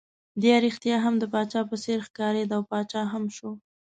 دی ريښتیا هم د پاچا په څېر ښکارېد، او پاچا هم شو.